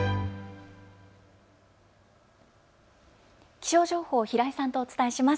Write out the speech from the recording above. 気象情報、平井さんとお伝えします。